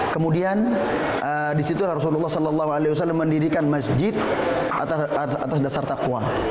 kemudian disitu rasulullah saw mendirikan masjid atas dasar takwa